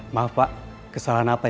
maaf pak kesalahan apa